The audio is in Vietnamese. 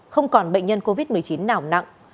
không còn bệnh nhân covid một mươi chín nào nặng